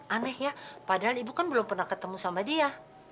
aneh ya padahal ibu kan belum pernah ketemu sama dia